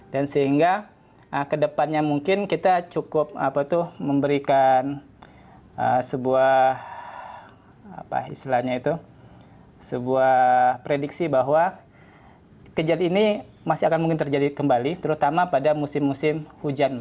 dan sehingga ke depannya mungkin kita cukup memberikan sebuah prediksi bahwa kejadian ini masih akan mungkin terjadi kembali terutama pada musim musim hujan